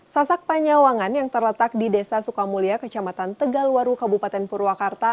sasak panyawangan yang terletak di desa sukamulya kecamatan tegalwaru kabupaten purwakarta